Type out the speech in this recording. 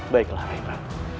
baiklah rai prabu